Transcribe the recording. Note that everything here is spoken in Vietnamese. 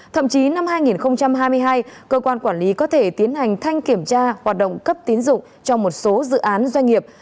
thậm chí năm hai nghìn hai mươi hai cơ quan quản lý có thể tiến hành thanh kiểm tra hoạt động cấp tín dụng cho một số dự án doanh nghiệp